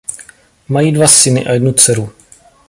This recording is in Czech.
Mají dva syny a jednu dceru.